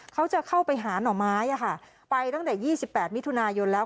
เขาจะเข้าไปหาหน่อไม้ไปตั้งแต่๒๘มิถุนายนแล้ว